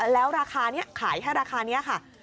แล้วราคานี้ขายแค่ราคานี้ค่ะ